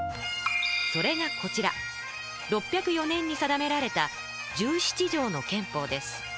それがこちら６０４年に定められた「十七条の憲法」です。